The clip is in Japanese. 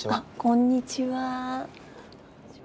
こんにちは。